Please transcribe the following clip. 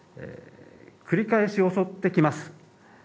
繰り返し襲ってきます。